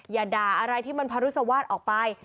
อย่าด่าอะไรที่มันพรุษวาสออกไป